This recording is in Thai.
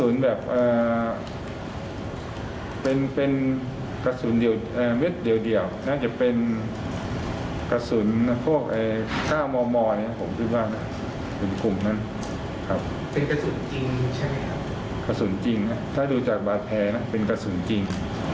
ใช้อาวุธปืนยิงตัวเอง